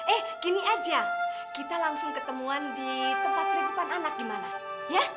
eh gini aja kita langsung ketemuan di tempat perintipan anak di mana ya